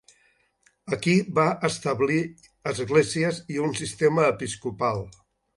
Aquí va establir esglésies i un sistema episcopal.